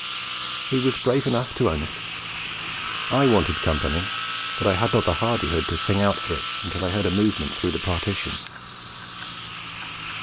He was brave enough to own it. I wanted company, but I had not the hardihood to sing out for it until I heard a movement through the partition.